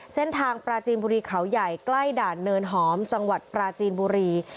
เส้นทางปราจีนบุรีเขาใหญ่ใกล้ด่านเนินหอมจังหวัดปราจีนบุรี